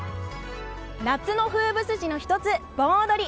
夏の風物詩の一つ、盆踊り。